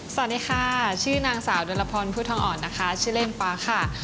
สวัสดีค่ะชื่อนางสาวดนรพรผู้ทองอ่อนนะคะชื่อเล่นป๊าค่ะ